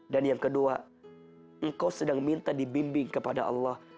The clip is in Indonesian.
yang kedua engkau sedang minta dibimbing kepada allah